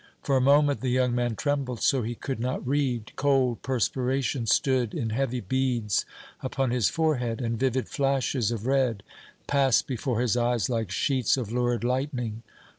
For a moment the young man trembled so he could not read; cold perspiration stood in heavy beads upon his forehead, and vivid flashes of red passed before his eyes like sheets of lurid lightning.